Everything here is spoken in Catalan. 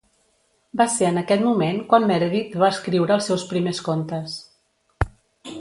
Va ser en aquest moment quan Meredith va escriure els seus primers contes.